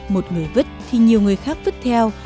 một người vứt thì nhiều người khác vứt theo